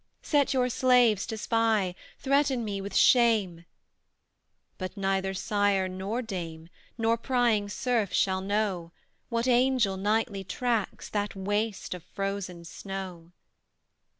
Set your slaves to spy; threaten me with shame: But neither sire nor dame, nor prying serf shall know, What angel nightly tracks that waste of frozen snow.